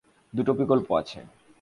দুটো বিকল্প আছে।